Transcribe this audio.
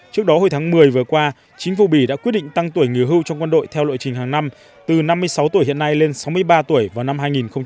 trước đó hồi tháng một mươi vừa qua chính phủ bỉ đã quyết định tăng tuổi nghỉ hưu trong quân đội theo lộ trình hàng năm từ năm mươi sáu tuổi hiện nay lên sáu mươi ba tuổi vào năm hai nghìn hai mươi